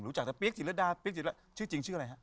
รู้จักแต่เปี๊ยกจิตรดาชื่อจริงชื่ออะไรฮะ